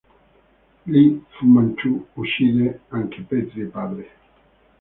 Lì, Fu Manchu uccide anche Petrie padre.